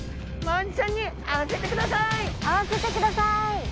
会わせてください！